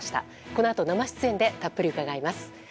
このあと生出演でたっぷり伺います。